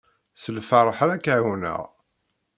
S lfarḥ ara k-ɛiwneɣ.